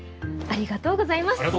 ありがとうございます。